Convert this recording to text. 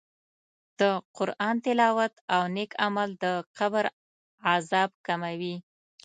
د قرآن تلاوت او نېک عمل د قبر عذاب کموي.